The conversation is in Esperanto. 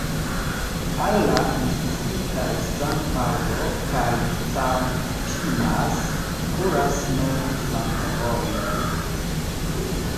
Al la menciitaj San-Paŭlo kaj Campinas kuras nur flankovojoj.